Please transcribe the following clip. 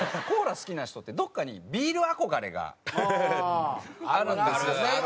コーラ好きな人ってどこかにビール憧れがあるんです。